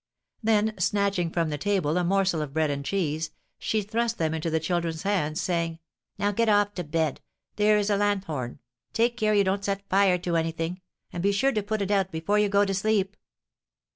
Then, snatching from the table a morsel of bread and cheese, she thrust them into the children's hands, saying, "Now, get off to bed, there is a lanthorn; take care you don't set fire to anything, and be sure to put it out before you go to sleep."